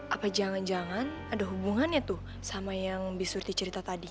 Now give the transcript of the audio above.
apa jangan jangan ada hubungannya tuh sama yang bisurti cerita tadi